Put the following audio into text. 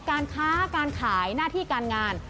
การค้าการขายหน้าที่การงาน